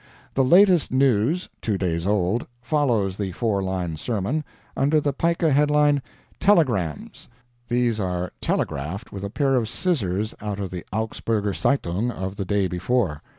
The latest news (two days old) follows the four line sermon, under the pica headline "Telegrams" these are "telegraphed" with a pair of scissors out of the AUGSBURGER ZEITUNG of the day before.